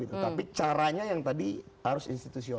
tapi caranya yang tadi harus institusional